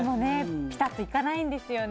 ぴたっといかないんですよね。